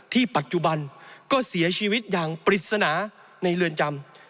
ปัจจุบันก็เสียชีวิตอย่างปริศนาในเรือนจำ